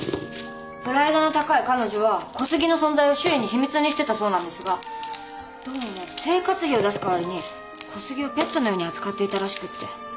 プライドの高い彼女は小杉の存在を周囲に秘密にしてたそうなんですがどうも生活費を出すかわりに小杉をペットのように扱っていたらしくって。